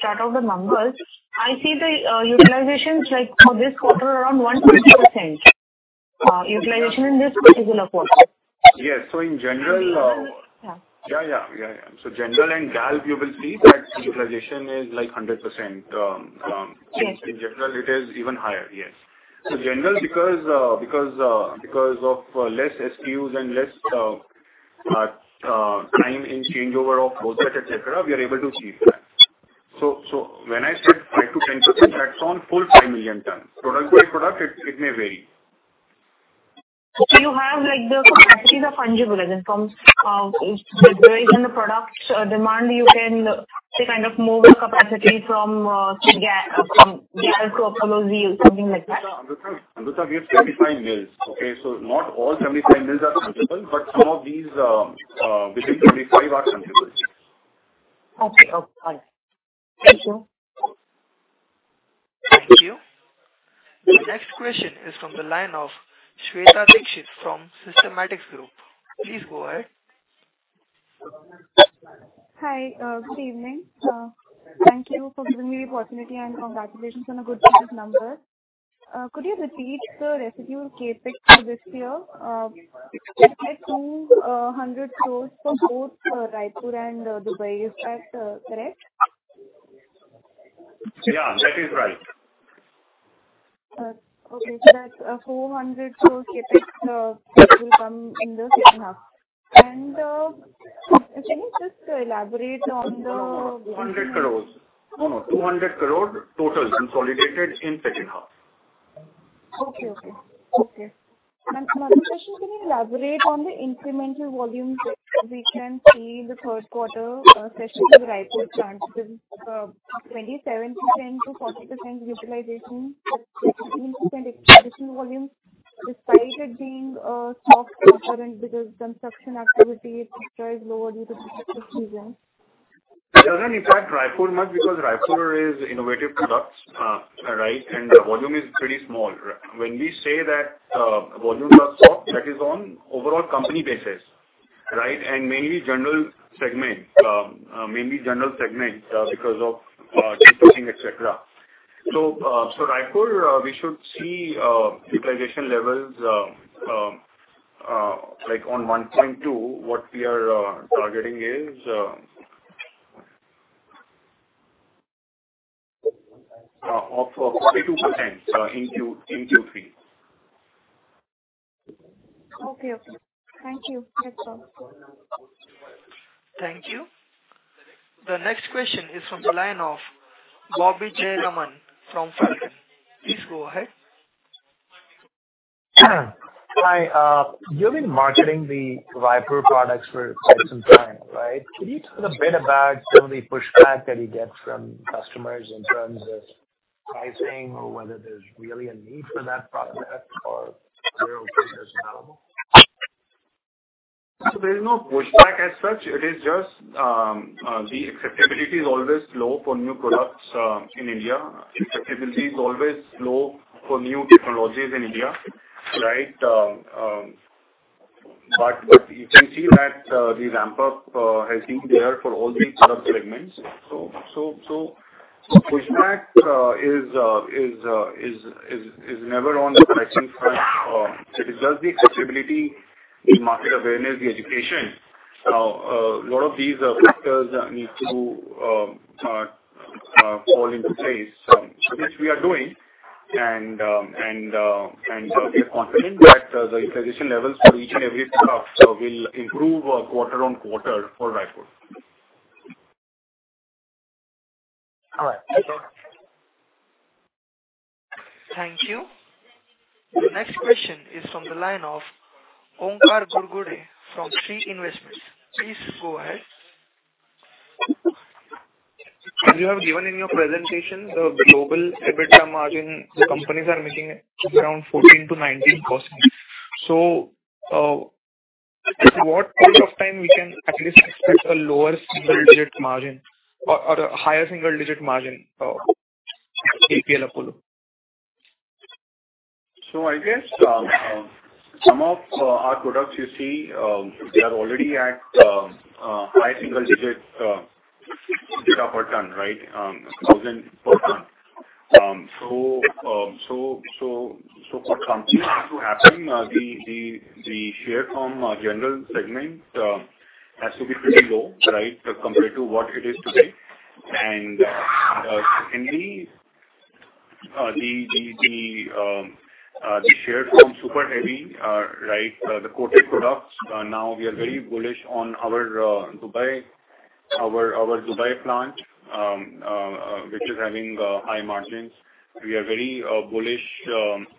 chart out the numbers, I see the utilization like for this quarter around 150% utilization in this particular quarter. Yes. So in general, Yeah. Yeah, yeah. Yeah, yeah. So general and gal, you will see that utilization is like 100%. Yes. In general, it is even higher. Yes. So in general because of less SKUs and less time in changeover of process, et cetera, we are able to achieve that. So when I said 5%-10%, that's on full five million tons. Product by product, it may vary. So you have, like, the capacities are fungible, as in from varying the product demand, you can say, kind of, move the capacity from GI to Apollo Z, something like that? Amrita, Amrita, we have 75 mills, okay? So not all 75 mills are fungible, but some of these, between 25 mills are fungible. Okay. Okay, got it. Thank you. Thank you. The next question is from the line of Shweta Dixit from Systematix Group. Please go ahead. Hi, good evening. Thank you for giving me the opportunity, and congratulations on a good set of numbers. Could you repeat the residual CapEx for this year? Is it 200 crore for both Raipur and Dubai? Is that correct? Yeah, that is right. Okay. So that's 400 crore CapEx will come in the second half. And can you just elaborate on the- 100 crore. No, no, 200 crore total consolidated in second half. Okay. Okay. Okay. And another question, can you elaborate on the incremental volumes that we can see in the third quarter, especially Raipur plant, with 27%-40% utilization, incremental, additional volumes, despite it being a soft quarter and because construction activity is lower due to the season? It doesn't impact Raipur much because Raipur is innovative products, right, and the volume is pretty small. When we say that, volumes are soft, that is on overall company basis, right? And mainly general segment, mainly general segment, because of deep pushing, et cetera. So, Raipur, we should see utilization levels, like on 1.2 million tons, what we are targeting is of 42% in Q3. Okay. Okay. Thank you. That's all. Thank you. The next question is from the line of Bobby Jayaraman from Falcon. Please go ahead. Hi, you've been marketing the Raipur products for quite some time, right? Can you tell us a bit about some of the pushback that you get from customers in terms of pricing or whether there's really a need for that product or where it is available? So there is no pushback as such. It is just the acceptability is always low for new products in India. Acceptability is always low for new technologies in India, right? You can see that the ramp up has been there for all the other segments. Pushback is never on the correction front. It is just the accessibility, the market awareness, the education. A lot of these factors need to fall into place, which we are doing. We are confident that the utilization levels for each and every product will improve quarter-over-quarter for Raipur. All right. Thank you. The next question is from the line of Omkar Gurgule from Sri Investments. Please go ahead. You have given in your presentation the global EBITDA margin, the companies are making around 14%-19%. So, what point of time we can at least expect a lower single-digit margin or a higher single-digit margin of APL Apollo? I guess some of our products you see, they are already at high single-digit EBITDA per ton, right? INR 1,000 per ton. For something to happen, the share from our general segment has to be pretty low, right, compared to what it is today. Secondly, the share from super heavy, right, the coated products, now we are very bullish on our Dubai, our Dubai plant, which is having high margins. We are very bullish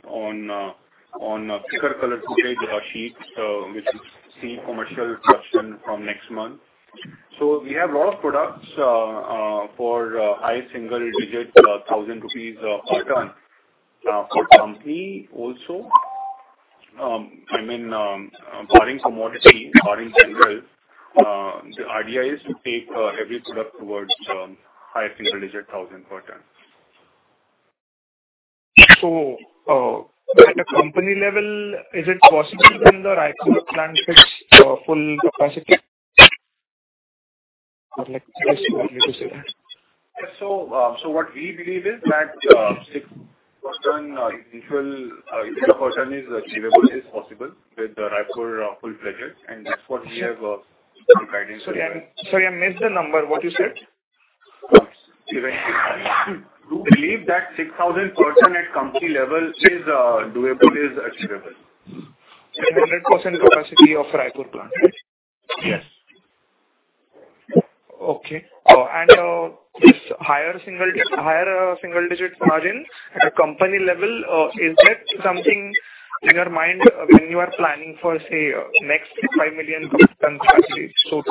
on thicker colored coated sheets, which will see commercial production from next month. We have a lot of products for high single-digit 1,000 rupees per ton. For company also, I mean, barring commodity, barring general, the idea is to take every product towards high single-digit thousand per ton. At a company level, is it possible when the Raipur plant fits full capacity? I'd like to say that. What we believe is that 6,000 is achievable, is possible with the Raipur full-fledged, and that's what we have, the guidance. Sorry, I missed the number. What you said? We believe that 6,000 per ton at company level is doable, is achievable. 100% capacity of Raipur plant, right? Yes. Okay. And this higher single, higher single digit margin at company level, is that something in your mind when you are planning for, say, next five million ton capacity, so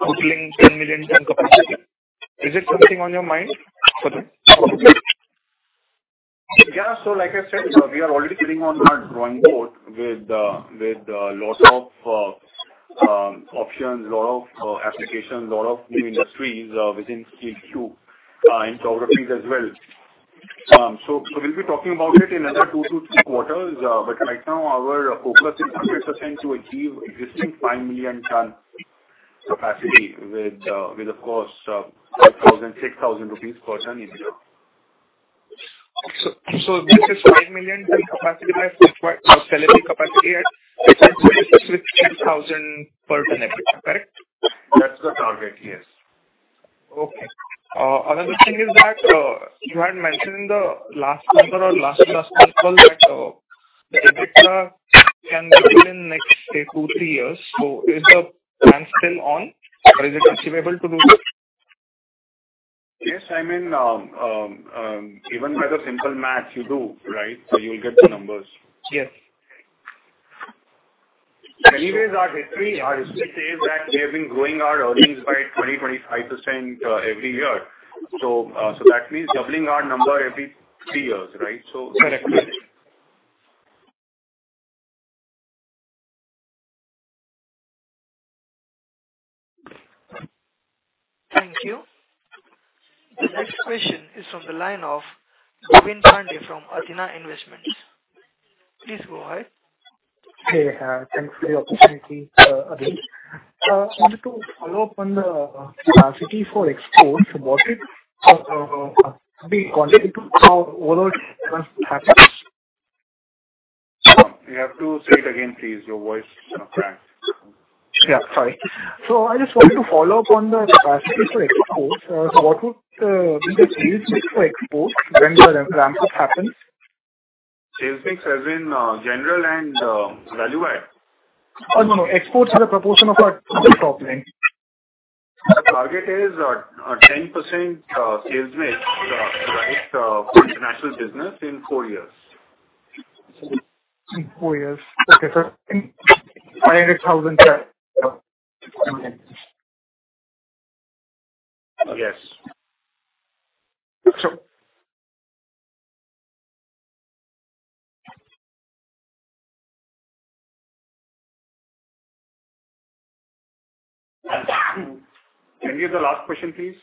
totaling 10 million ton capacity? Is it something on your mind for that? Yeah. So like I said, we are already sitting on a growing boat with lots of options, a lot of applications, a lot of new industries within CQ in geographies as well. So we'll be talking about it in another two to three quarters. But right now, our focus is 100% to achieve existing five million ton capacity with, of course, 5,000-6,000 rupees per ton EBITDA. So, this is five million ton capacity by capacity at INR 6,000 per ton EBITDA, correct? That's the target, yes. Okay. Another thing is that you had mentioned in the last quarter or last, last quarter call that the next, say, two, three years. So is the plan still on or is it achievable to do? Yes, I mean, even by the simple math, you do, right? So you'll get the numbers. Yes. Anyways, our history, our history is that we have been growing our earnings by 20%-25% every year. So, so that means doubling our number every three years, right? So- Correct. Thank you. The next question is from the line of Bhavin Pande from Fortuna Investments. Please go ahead. Hey, thanks for the opportunity, again. I wanted to follow up on the capacity for exports, about it, to be connected to how overall happens. You have to say it again, please. Your voice is not clear. Yeah, sorry. So I just wanted to follow up on the capacity for export. So what would be the sales mix for export when the ramp up happens? Sales mix as in, general and, value add? No, no. Exports are a proportion of our total top line. Target is a 10% sales mix, right, for international business in four years. In four years. Okay, sir. I had INR 1,000 there. Okay. Yes. Sure. Can we have the last question, please?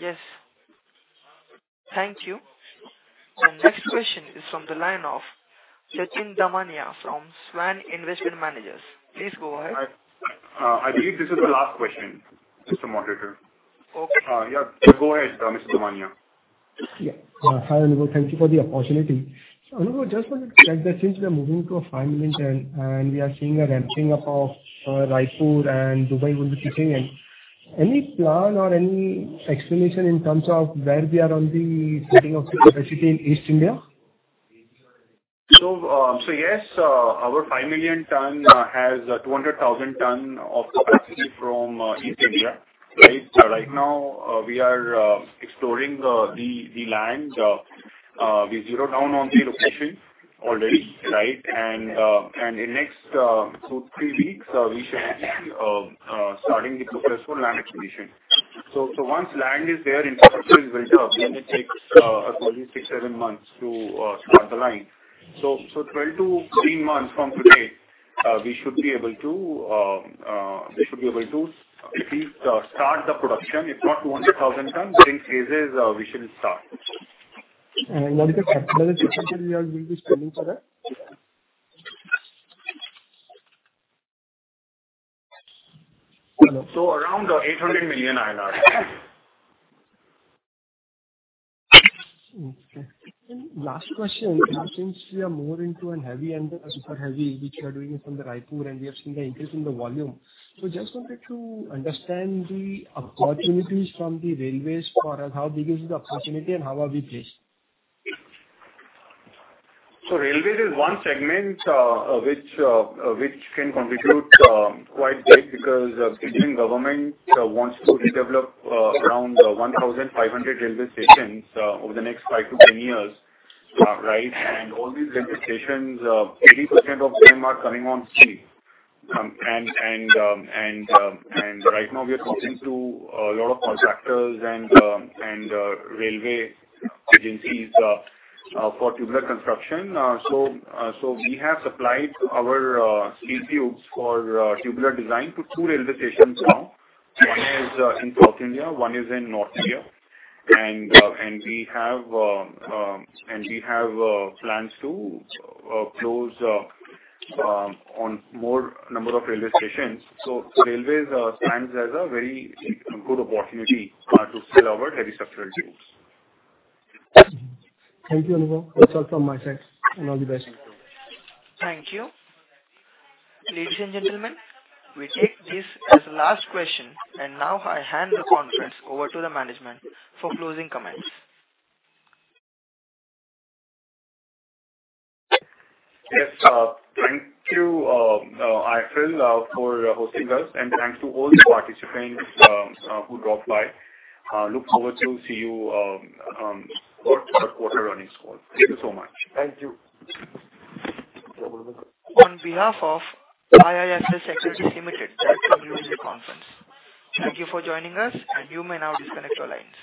Yes. Thank you. The next question is from the line of Sachin Damania from Swan Investment Managers. Please go ahead. I believe this is the last question, Mr. Moderator. Okay. Yeah, go ahead, Mr. Damania. Yeah. Hi, Anubhav. Thank you for the opportunity. Anubhav, just wanted to check that since we are moving to a five million ton, and we are seeing a ramping up of Raipur and Dubai will be kicking in. Any plan or any explanation in terms of where we are on the setting of the capacity in East India? So yes, our five million ton has 200,000 ton of capacity from East India, right? So right now, we are exploring the land. We zeroed down on the location already, right? And in next two, three weeks, we should be starting the process for land acquisition. So once land is there, infrastructure is built up, then it takes approximately six, seven months to start the line. So 12-13 months from today, we should be able to, we should be able to at least start the production. If not 200,000 tons, but in phases, we should start. What is the capital expenditure we are going to be spending for that? Around INR 800 million. Okay. Last question, since we are more into a heavy and the super heavy, which we are doing it from the Raipur, and we have seen the increase in the volume. So just wanted to understand the opportunities from the railways for us, how big is the opportunity and how are we placed? Railway is one segment which can contribute quite big because Indian government wants to redevelop around 1,500 railway stations over the next five to 10 years. Right? And all these railway stations, 80% of them are coming on stream. And right now we are talking to a lot of contractors and railway agencies for tubular construction. So we have supplied our steel tubes for tubular design to two railway stations now. One is in South India, one is in North India. And we have plans to close on more number of railway stations. So railways stands as a very good opportunity to sell our heavy structural tubes. Thank you, Anubhav. That's all from my side, and all the best. Thank you. Ladies and gentlemen, we take this as the last question, and now I hand the conference over to the management for closing comments. Yes, thank you, IIFL, for hosting us, and thanks to all the participants who dropped by. Look forward to see you for our quarter earnings call. Thank you so much. Thank you. On behalf of IIFL Securities Limited, I thank you for the conference. Thank you for joining us, and you may now disconnect your lines.